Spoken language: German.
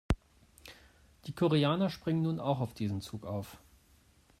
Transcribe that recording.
Die Koreaner springen nun auch auf diesen Zug auf.